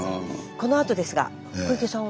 このあとですが小池さんは？